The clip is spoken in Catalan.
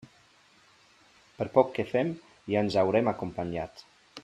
Per poc que fem ja ens haurem acompanyat.